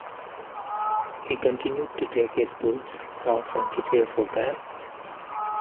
He continued to take his boots off and prepare for bed.